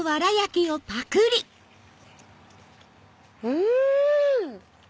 うん！